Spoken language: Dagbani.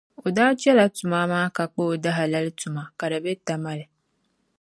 O daa chala tuma maa ka kpa o dahalali tuma ka di be Tamali.